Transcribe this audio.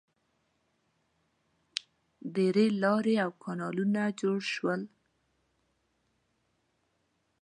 • د رېل لارې او کانالونه جوړ شول.